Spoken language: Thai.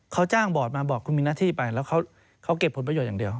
เขาจ้างบอร์ดมาบอกคุณมีหน้าที่ไปแล้วเขาเก็บผลประโยชน์อย่างเดียว